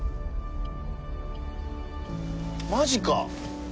マジか。